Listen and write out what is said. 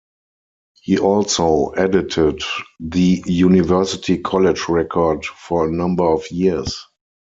He also edited the "University College Record" for a number of years.